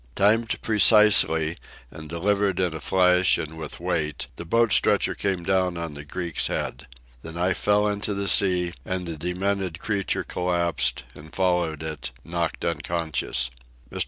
Timed precisely, and delivered in a flash and with weight, the boat stretcher came down on the Greek's head. The knife fell into the sea, and the demented creature collapsed and followed it, knocked unconscious. Mr.